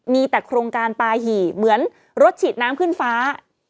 มีแต่โครงการปลาหี่เหมือนรถฉีดน้ำขึ้นฟ้า